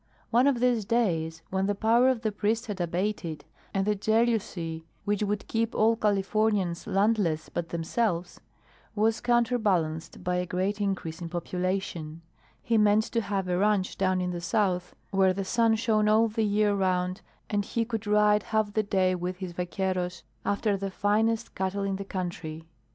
One of these days, when the power of the priests had abated, and the jealousy which would keep all Californians landless but themselves was counterbalanced by a great increase in population, he meant to have a ranch down in the south where the sun shone all the year round and he could ride half the day with his vaqueros after the finest cattle in the country.